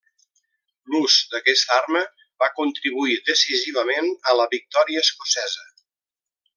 L'ús d'aquesta arma va contribuir decisivament a la victòria escocesa.